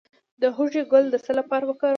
د هوږې ګل د څه لپاره وکاروم؟